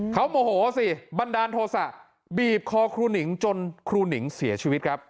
เขาโมโหสิบันดาลโทษะบีบคอครูหนิงจนครูหนิงเสียชีวิตครับ